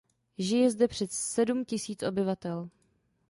Žije zde přes sedm tisíc obyvatel.